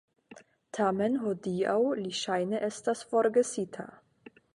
Tamen hodiaŭ li ŝajne estas forgesita.